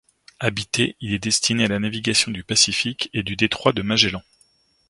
Habité, il est destiné à la navigation du Pacifique et du détroit de Magellan.